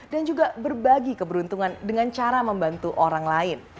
dan juga berbagi keberuntungan dengan cara membantu orang lain